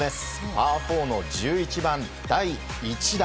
パー４の１１番、第１打。